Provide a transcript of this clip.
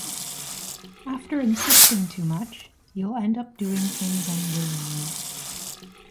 After insisting too much, you’ll end up doing things unwillingly.